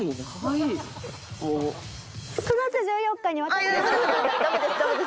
９月１４日に。